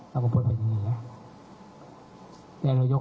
เราก็พูดไปอย่างนี้แล้วเรายก